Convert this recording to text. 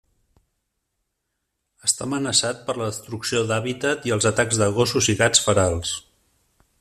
Està amenaçat per la destrucció d'hàbitat i els atacs de gossos i gats ferals.